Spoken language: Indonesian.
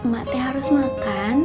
mak teh harus makan